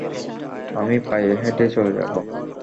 আমি পায়ে হেঁটেই চলে যাবো।